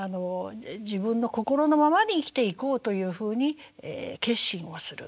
自分の心のままに生きていこうというふうに決心をする。